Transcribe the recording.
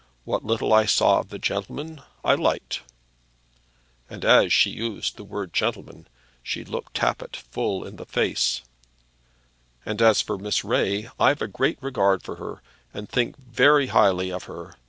What little I saw of the gentleman I liked;" and as she used the word gentleman she looked Tappitt full in the face; "and for Miss Ray, I've a great regard for her, and think very highly of her.